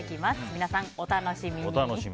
皆さん、お楽しみに。